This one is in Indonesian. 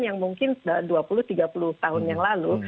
yang mungkin dua puluh tiga puluh tahun yang lalu